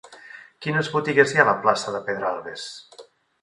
Quines botigues hi ha a la plaça de Pedralbes?